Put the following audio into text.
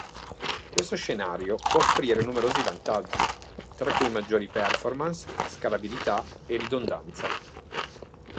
Questo scenario può offrire numerosi vantaggi, tra cui maggiori performance, scalabilità e ridondanza.